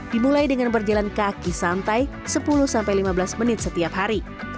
dimulai dengan berjalan kaki santai sepuluh sampai lima belas menit setiap hari